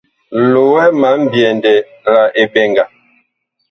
Loɛ ma mbyɛndɛ la eɓɛŋga.